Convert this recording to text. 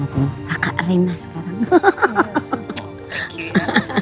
kakak rina sekarang